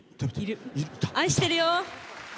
愛してるよ！